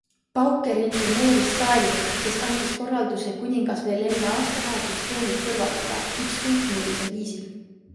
Pauker informeeris Stalinit, kes andis korralduse kuningas veel enne aastavahetust troonilt kõrvaldada, ükskõik millisel viisil.